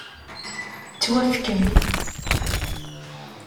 Twufqem.